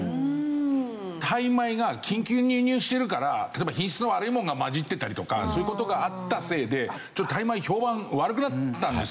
タイ米が緊急に輸入してるから例えば品質の悪いものが混じってたりとかそういう事があったせいでちょっとタイ米評判悪くなったんですよね。